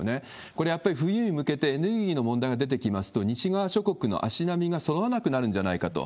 これ、やっぱり冬に向けてエネルギーの問題が出てきますと、西側諸国の足並みがそろわなくなるんじゃないかと。